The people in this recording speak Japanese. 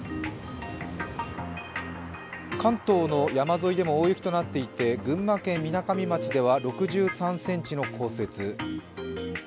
関東の山沿いでも大雪となっていて、群馬県みなかみ町では６３ｃｍの降雪。